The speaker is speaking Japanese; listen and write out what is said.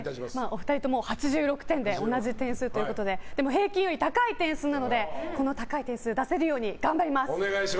お二人とも８６点で同じ点数ということででも平均より高い点数なのでこの高い点数を出せるように頑張ります。